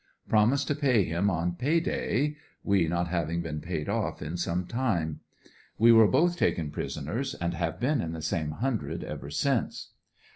Promised to pay him on pay day," we not having been paid off in some time. We were both taken prisoners and have been in the same hundred ever since.